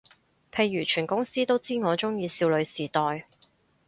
譬如全公司都知我鍾意少女時代